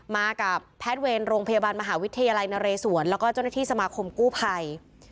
มากับแพทเวนโรงพยาบาลมหาวิทยาลัยนำเรศวร์แล้วก็จริงที่สมาคมกู้ไพร